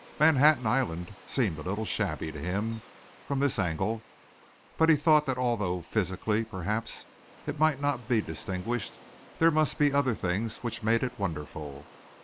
Manhattan Island seemed a little shabby to him from this angle but he thought that although physically, perhaps, it might not be distinguished, there must be other things which made it wonderful.